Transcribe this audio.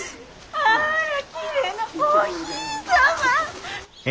あらきれいなお姫様。